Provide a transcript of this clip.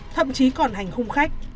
thậm chí còn hành hung khách